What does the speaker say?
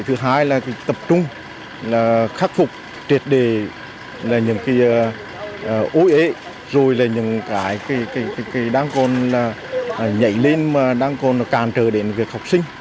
thứ hai là tập trung là khắc phục triệt đề những cái ô ế rồi là những cái đang còn nhảy lên mà đang còn càn trở đến việc học sinh